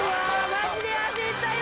マジで焦ったよ。